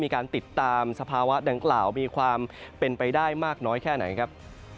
มีการติดตามสภาวะดังกล่าวมีความเป็นไปได้มากน้อยแค่ไหนครับ